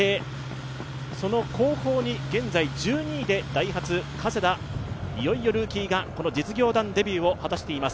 その後方に現在１２位でダイハツ、加世田、いよいよルーキーが実業団デビューを果たしています。